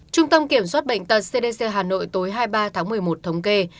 trung tâm kiểm soát bệnh tật cdc hà nội tối hai mươi ba tháng một mươi một thống kê